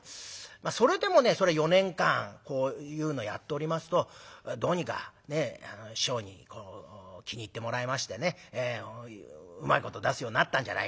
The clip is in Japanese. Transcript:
それでもねそれ４年間こういうのやっておりますとどうにか師匠に気に入ってもらえましてね「うまいこと出すようになったんじゃないか。